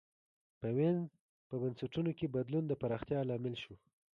په وینز په بنسټونو کې بدلون د پراختیا لامل شو.